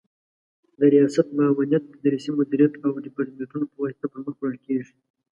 د ریاست، معاونیت، تدریسي مدیریت او دیپارتمنتونو په واسطه پر مخ وړل کیږي